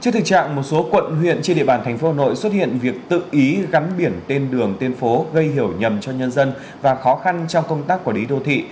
trước thực trạng một số quận huyện trên địa bàn thành phố hà nội xuất hiện việc tự ý gắn biển tên đường tên phố gây hiểu nhầm cho nhân dân và khó khăn trong công tác quản lý đô thị